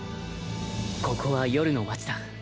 ここは夜の街だ。